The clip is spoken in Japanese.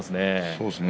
そうですね。